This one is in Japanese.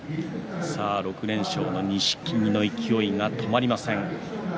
６連勝の錦木の勢いが止まりません。